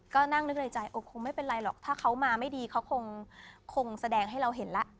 ก็นั่งนึกในใจคงไม่เป็นไรหรอกถ้าเขามาไม่ดีเขาคงแสดงให้เราเห็นแล้ว